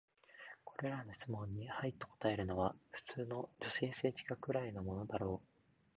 これらの質問に「はい」と答えるのは、普通の女性政治家くらいのものだろう。